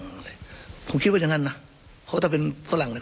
มันจะหลั่งเลยผมคิดว่าอย่างนั้นนะเพราะว่าถ้าเป็นฝรั่งเนี่ย